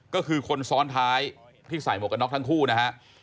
ก็คือคนซ้อนท้ายที่ใส่หมวกกันน็อกทั้งคู่นะฮะ